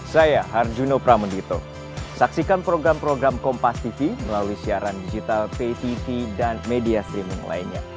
saya harjuno pramendito saksikan program program kompastv melalui siaran digital ptv dan media streaming lainnya